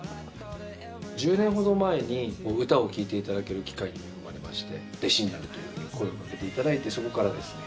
１０年ほど前に歌を聞いていただける機会に恵まれまして「弟子になれ」というふうに声をかけていただいてそれからですね。